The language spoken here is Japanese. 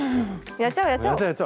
やっちゃおうやっちゃおう。